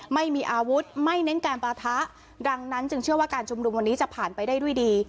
ไม่มีอาวุธไม่เน้นการปะทะดังนั้นจึงเชื่อว่าการชุมนุมวันนี้จะผ่านไปได้ด้วยดี